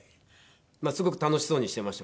すごく楽しそうにしてました